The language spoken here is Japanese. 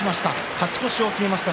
勝ち越しを決めました